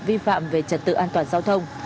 vi phạm về trật tự an toàn giao thông